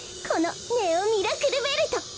このネオ・ミラクルベルト！